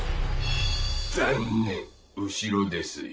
残念後ろですよ。